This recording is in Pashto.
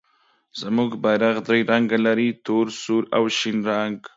زموږ بیرغ درې رنګه لري، تور، سور او شین رنګ.